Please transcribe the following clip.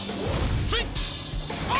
スイッチオン！